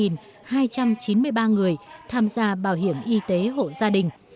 chín mươi ba người tham gia bảo hiểm y tế hộ gia đình